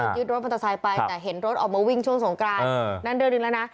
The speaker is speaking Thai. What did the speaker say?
ยึดรถมันตะซายไปแต่เห็นรถออกมาวิงช่วงสงกรานนั้นเดิมนึงแล้วนะ